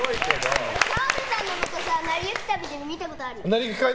澤部さんのこと「なりゆき街道旅」でも見たことあるよ。